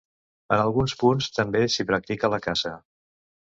En alguns punts també s'hi practica la caça.